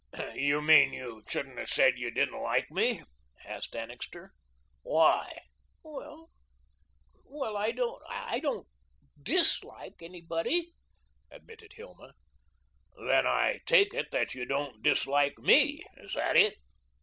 "You mean you shouldn't have said you didn't like me?" asked Annixter. "Why?" "Well, well, I don't I don't DISlike anybody," admitted Hilma. "Then I can take it that you don't dislike ME? Is that it?"